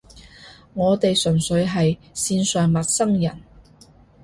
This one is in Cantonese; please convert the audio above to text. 我哋純粹係線上陌生人